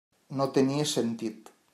No tenia sentit.